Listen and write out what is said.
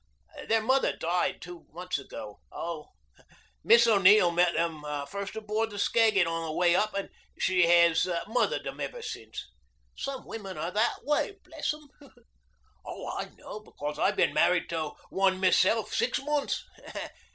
Their mother died two months ago. Miss O'Neill met them first aboard the Skagit on the way up and she has mothered them ever since. Some women are that way, bless 'em. I know because I've been married to one myself six months.